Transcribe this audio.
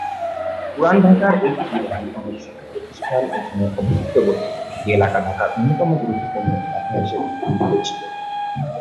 পুরান ঢাকার ঐতিহ্যবাহী অনেক শিক্ষাপ্রতিষ্ঠান এখানে অবস্থিত বলে এ এলাকা ঢাকার অন্যতম গুরুত্বপূর্ণ এলাকা হিসেবে বিবেচিত।